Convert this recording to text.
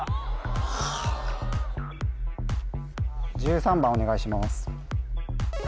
はーっ１３番お願いします